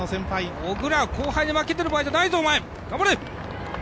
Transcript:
小椋後輩に負けてる場合じゃないぞ、頑張れ！